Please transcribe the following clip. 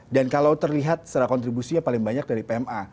dan kalau terlihat secara kontribusinya paling banyak dari pma